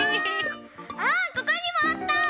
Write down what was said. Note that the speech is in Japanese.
あっここにもあった！